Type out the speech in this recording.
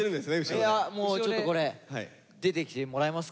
いやもうちょっとこれ出てきてもらいますか？